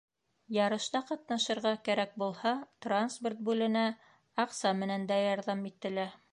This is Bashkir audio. Ярышта ҡатнашырға кәрәк булһа, транспорт бүленә, аҡса менән дә ярҙам ителә.